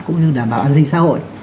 cũng như đảm bảo an ninh xã hội